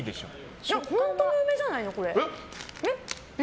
本当の梅じゃないの？